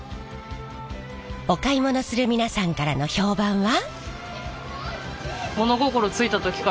お買い物する皆さんからの評判は。